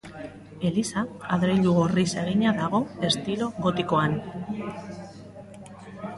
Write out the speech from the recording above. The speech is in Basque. Eliza adreilu gorriz egina dago estilo gotikoan.